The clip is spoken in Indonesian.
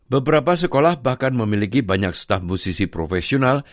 beberapa sekolah bahkan memiliki banyak staff musisi profesional